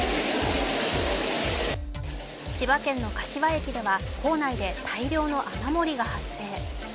千葉県の柏駅では構内で大量の雨漏りが発生。